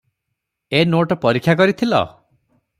"ଏ note ପରୀକ୍ଷା କରିଥିଲ?"